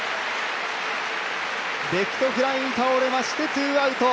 レフトフライに倒れましてツーアウト。